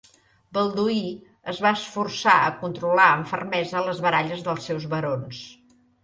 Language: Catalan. Balduí es va esforçar a controlar amb fermesa les baralles dels seus barons.